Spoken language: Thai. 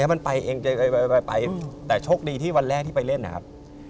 มันไปเองไปแต่โชคดีที่วันแรกที่ไปเล่นนะครับ